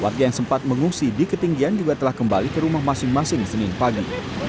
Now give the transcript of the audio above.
warga yang sempat mengungsi di ketinggian juga telah kembali ke rumah masing masing senin pagi